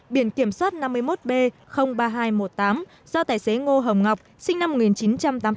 biển kiểm soát năm mươi một b ba nghìn hai trăm một mươi tám do tài xế ngô hồng ngọc sinh năm một nghìn chín trăm tám mươi tám